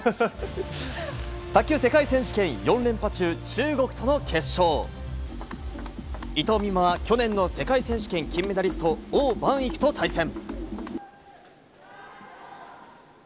卓球世界選手権４連覇中、中国との決勝、伊藤美誠は去年の世界選手権金メダリスト、王曼いくと対戦。